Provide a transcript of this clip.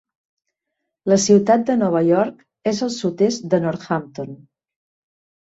La ciutat de Nova York és al sud-oest de Northampton.